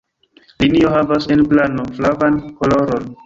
Linio havas en plano flavan koloron.